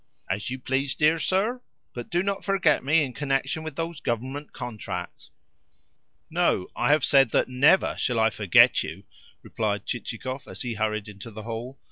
"As you please, dear sir; but do not forget me in connection with those Government contracts." "No, I have said that NEVER shall I forget you," replied Chichikov as he hurried into the hall.